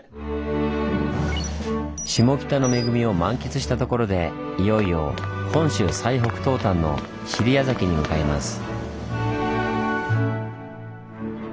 下北の恵みを満喫したところでいよいよ本州最北東端の尻屋崎に向かいます。